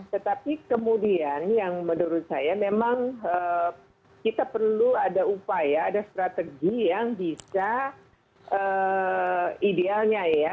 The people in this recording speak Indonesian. tetapi kemudian yang menurut saya memang kita perlu ada upaya ada strategi yang bisa idealnya ya